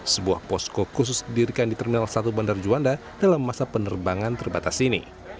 sebuah posko khusus didirikan di terminal satu bandar juanda dalam masa penerbangan terbatas ini